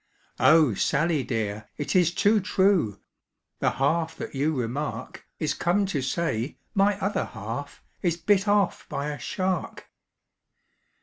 "Oh! Sally dear, it is too true, The half that you remark Is come to say my other half Is bit off by a shark!